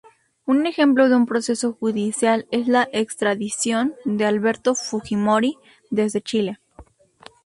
Un ejemplo de un proceso judicial es la extradición de Alberto Fujimori desde Chile.